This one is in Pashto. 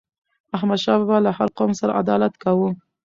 احمد شاه بابا له هر قوم سره عدالت کاوه.